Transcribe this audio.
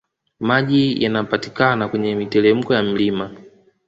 Maji yanapatikana kwenye mitelemko ya mlima